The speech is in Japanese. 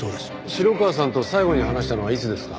城川さんと最後に話したのはいつですか？